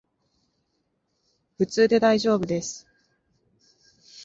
普通でだいじょうぶです